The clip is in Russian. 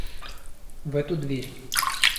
В эту дверь.